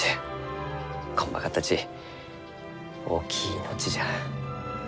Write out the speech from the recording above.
こんまかったち大きい命じゃ。